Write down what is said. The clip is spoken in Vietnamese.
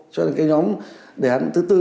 cho nên cái nhóm đề án thứ tư